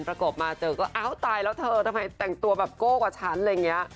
ประกบมาเจอก็อ้าวตายแล้วเธอทำไมแต่งตัวแบบโก้กว่าฉันอะไรอย่างนี้